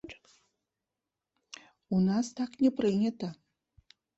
У нас так не прынята!